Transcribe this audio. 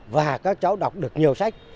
và các cháu đọc được nhiều sách